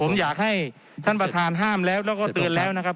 ผมอยากให้ท่านประธานห้ามแล้วแล้วก็เตือนแล้วนะครับ